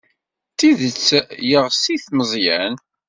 D tidet yeɣs-it Meẓyan?